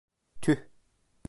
Tüh.